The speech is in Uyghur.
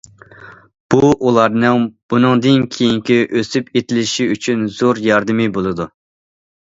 بۇ-- ئۇلارنىڭ بۇنىڭدىن كېيىنكى ئۆسۈپ يېتىلىشى ئۈچۈن زور ياردىمى بولىدۇ.